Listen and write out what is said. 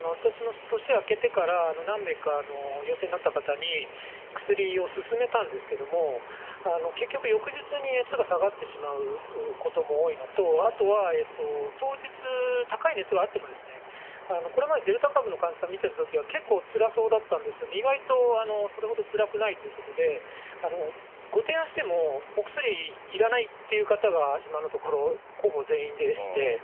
私も年明けてから、何名か、陽性になった方に薬を勧めたんですけれども、結局、翌日に熱が下がってしまうことも多いのと、あとは当日、高い熱があっても、これまでデルタ株の患者さんを見てたときは、結構つらそうだったんですが、意外とそれほどつらくないということで、ご提案しても、お薬いらないという方が今のところ、ほぼ全員でして。